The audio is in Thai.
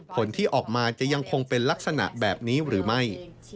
ผลที่ออกมาจะยังคงเป็นลักษณะแบบนี้หรือไม่